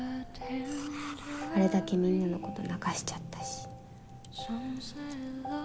あれだけみんなのこと泣かしちゃったし。